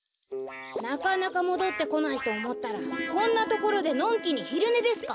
なかなかもどってこないとおもったらこんなところでのんきにひるねですか。